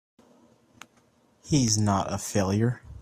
He's not a failure!